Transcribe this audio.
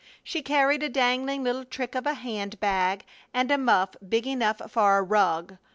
She carried a dangling little trick of a hand bag and a muff big enough for a rug.